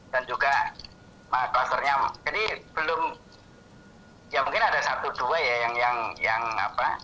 dan juga klusternya jadi belum ya mungkin ada satu dua ya yang apa